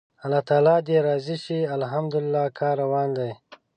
الله تعالی دې راضي شي، الحمدلله کار روان دی.